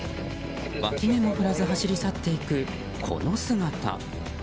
わき目も振らず走り去っていくこの姿。